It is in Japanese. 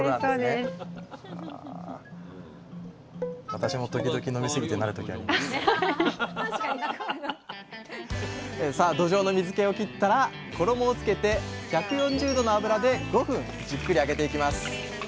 今じゃあさあどじょうの水けを切ったら衣をつけて１４０℃の油で５分じっくり揚げていきます